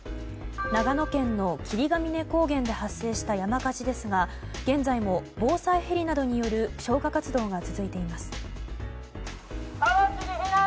長野県の霧ヶ峰高原で発生した山火事ですが現在も、防災ヘリなどによる消火活動が続いています。